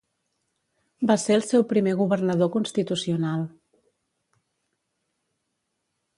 Va ser el seu primer governador constitucional.